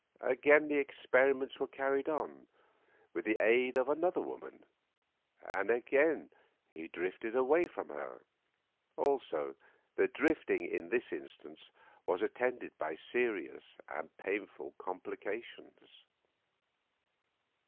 Again the experiments were carried on, with the aid of another woman, and again he drifted away from her; also the drifting in this instance was attended by serious and painful complications.